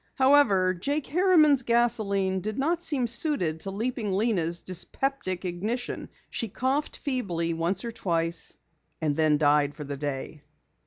However, Jake Harriman's gasoline did not seem suited to Leaping Lena's dyspeptic ignition. She coughed feebly once or twice and then died for the day.